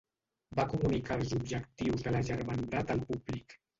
Va comunicar els objectius de la Germandat al públic.